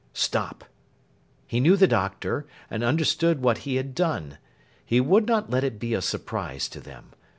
Stop! He knew the Doctor, and understood what he had done. He would not let it be a surprise to them.